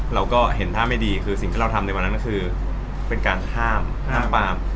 เราก็เห็นท่าไม่ดีคือสิ่งที่เราทำในวันนั้นก็คือเป็นการห้ามห้ามปาม